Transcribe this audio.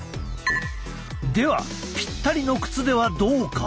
ではぴったりの靴ではどうか？